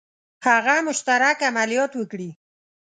هغه مشترک عملیات وکړي.